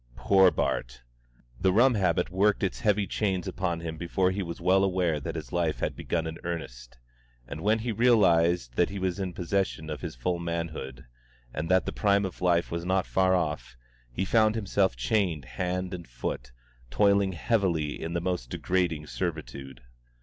Poor Bart! the rum habit worked its heavy chains upon him before he was well aware that his life had begun in earnest; and when he realised that he was in possession of his full manhood, and that the prime of life was not far off, he found himself chained hand and foot, toiling heavily in the most degrading servitude.